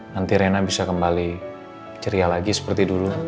nanti rena bisa kembali ceria lagi seperti dulu